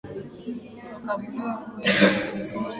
Akavuliwa nguo, ili mimi nipone.